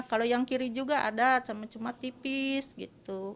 kalau yang kiri juga ada cuma tipis gitu